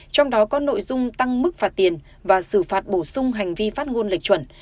trong đó có nội dung tăng mức phạt tiền và xử phạt bổ sung hành vi phát ngôn lệch chuẩn